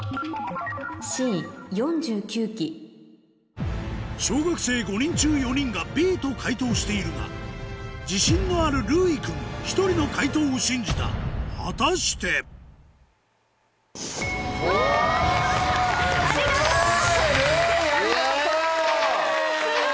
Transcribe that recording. Ｃ「４９基」小学生５人中４人がＢと解答しているが自信のあるるうい君一人の解答を信じた果たしてすごい！るういありがとう！すごい！イェイ！